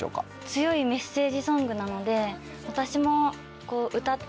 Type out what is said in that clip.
強いメッセージソングなので。